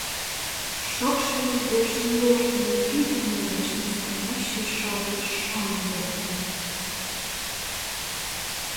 Шокшо вӱдеш нӧртымӧ пӱгыльмӧ гыч настоящий шовын шоҥ лектын.